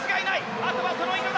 あとは、その色だ。